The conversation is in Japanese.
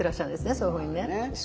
そういうふうにね。